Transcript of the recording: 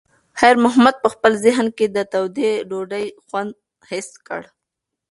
خیر محمد په خپل ذهن کې د تودې ډوډۍ خوند حس کړ.